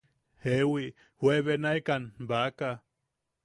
–Jewi, juebenaekan baaka.